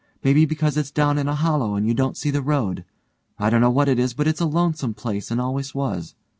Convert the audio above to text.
Maybe because it's down in a hollow and you don't see the road. I dunno what it is, but it's a lonesome place and always was.